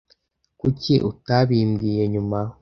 Kuki utabimbwiye nyuma?